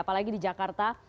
apalagi di jakarta